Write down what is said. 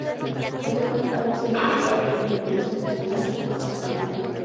Cuenta con instalaciones versátiles, iluminación, vigilancia y estacionamiento.